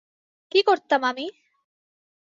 কী করতাম আমি?